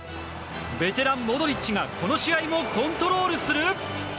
ベテラン、モドリッチがこの試合もコントロールする？